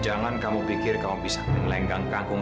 jangan kamu pikir kamu bisa menggelenggangkangkung